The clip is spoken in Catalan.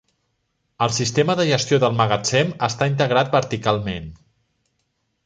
El sistema de gestió del magatzem està integrat verticalment.